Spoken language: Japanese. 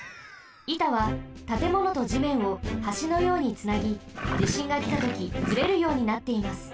いたはたてものとじめんをはしのようにつなぎじしんがきたときずれるようになっています。